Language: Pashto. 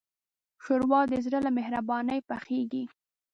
ښوروا د زړه له مهربانۍ پخیږي.